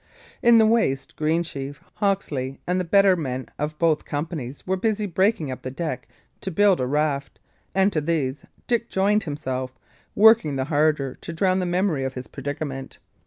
In the waist, Greensheve, Hawksley, and the better men of both companies were busy breaking up the deck to build a raft; and to these Dick joined himself, working the harder to drown the memory of his predicament.